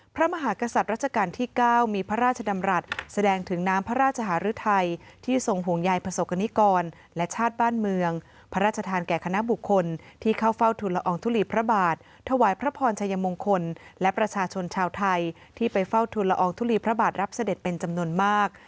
พระมหากษัตริย์ราชการที่๙มีพระราชดำรัฐแสดงถึงน้ำพระราชหารุทัยที่ทรงห่วงใยประสบกรณิกรและชาติบ้านเมืองพระราชทานแก่คณะบุคคลที่เข้าเฝ้าทุนละอองทุลีพระบาทถวายพระพรชัยมงคลและประชาชนชาวไทยที่ไปเฝ้าทุนละอองทุลีพระบาทรับเสด็จเป็นจำนวนมาก